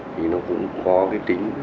thì nó cũng có cái tính